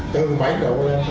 từ bảy độ lên